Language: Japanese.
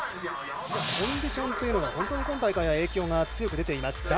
コンディションが本当に今大会影響が強く出ています。